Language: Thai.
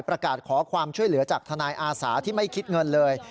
ประกาศขอความช่วยเหลือจากทนายอาสาที่ไม่คิดเงินเลย